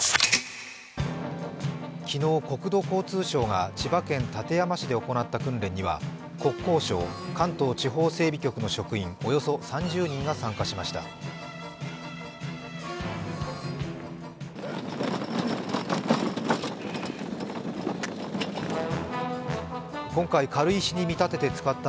昨日、国土交通省が千葉県館山市で行った訓練には国交省関東地方整備局の職員およそ３０人が参加しました。